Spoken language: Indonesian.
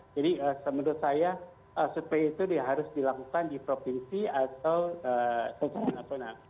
jadi menurut saya survei itu harus dilakukan di provinsi atau secara nasional